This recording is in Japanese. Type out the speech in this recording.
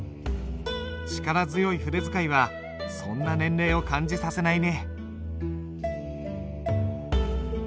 力強い筆使いはそんな年齢を感じさせないね。